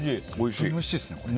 おいしいですね。